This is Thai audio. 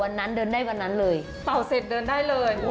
เป่าเสร็จเดินได้เลยแล้วลาเสร็จไ้นั้นเดินได้เลย